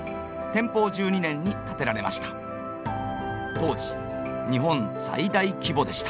当時日本最大規模でした。